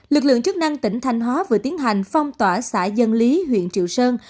lực lượng chức năng tỉnh thanh hóa vừa tiến hành phong tỏa xã dân lý huyện triệu sơn